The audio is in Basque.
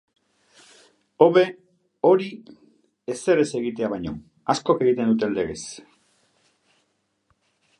Hobe hori ezer ez egitea baino, askok egiten duten legez.